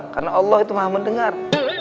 karena allah itu maham mendengar